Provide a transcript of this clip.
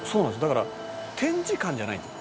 「だから展示館じゃないんです。